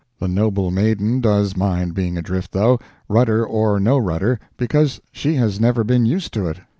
The noble maiden does mind being adrift, though, rudder or no rudder, because she has never been used to it.